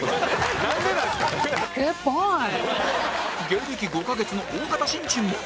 芸歴５カ月の大型新人も